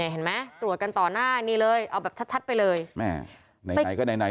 เห็นไหมตรวจกันต่อหน้านี่เลยเอาแบบชัดไปเลยแม่ไหนก็ไหน